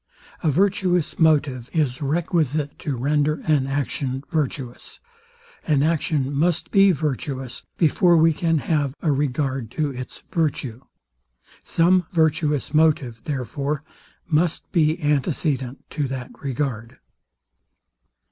A virtuous motive is requisite to render an action virtuous. An action must be virtuous, before we can have a regard to its virtue. Some virtuous motive, therefore, must be antecedent to that regard.